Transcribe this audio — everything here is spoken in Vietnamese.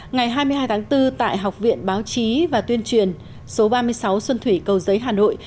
ngày hai mươi hai tháng bốn tại học viện báo chí và tuyên truyền số ba mươi sáu xuân thủy cầu giấy hà nội